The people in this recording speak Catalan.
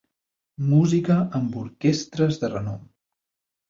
Música amb orquestres de renom.